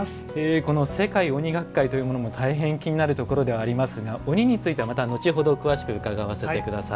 この世界鬼学会というものも大変気になるものでございますが鬼についてはまた、後ほど詳しく伺わせてください。